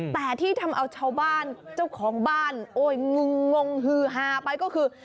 แต่ที่ทำเอาชาวบ้านเจ้าของบ้านโอ้ยงงฮือฮาไปก็คือ